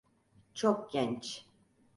Çok genç.